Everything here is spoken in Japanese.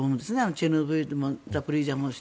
チェルノブイリもあるしザポリージャもあるし。